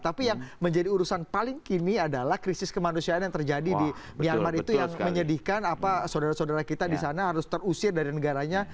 tapi yang menjadi urusan paling kini adalah krisis kemanusiaan yang terjadi di myanmar itu yang menyedihkan apa saudara saudara kita di sana harus terusir dari negaranya